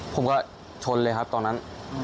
ผมก็ชนเลยครับตอนนั้น